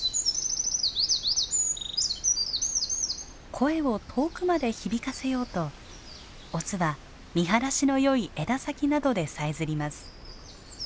声を遠くまで響かせようとオスは見晴らしの良い枝先などでさえずります。